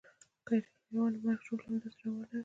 که د ایټالویانو مرګ ژوبله همداسې روانه وي.